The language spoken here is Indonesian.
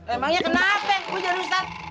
emangnya kenapeng gua jadi ustadz